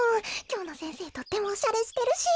きょうの先生とてもおしゃれしてるし。